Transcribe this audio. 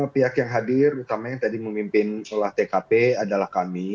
pihak yang hadir utama yang tadi memimpin olah tkp adalah kami